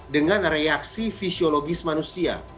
dengan reaksi fisiologis manusia